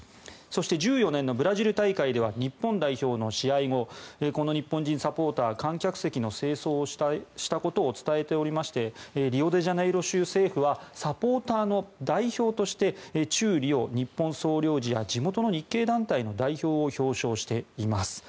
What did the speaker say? そして１４年のブラジル大会では日本代表の試合後清掃をしたことを伝えておりましてリオデジャネイロ州政府はサポーターの代表として駐リオ日本総領事や地元の日系団体の代表を表彰しております。